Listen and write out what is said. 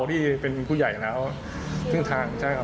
เด็กซึ่งอันนี้